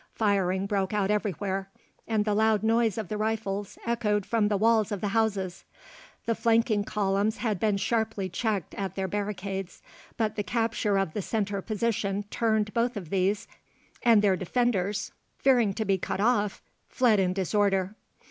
Firing broke out everywhere, and the loud noise of the rifles echoed from the walls of the houses. The flanking columns had been sharply checked at their barricades, but the capture of the centre position turned both of these, and their defenders, fearing to be cut off, fled in disorder.